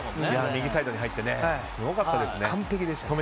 右サイドに入ってすごかったですね。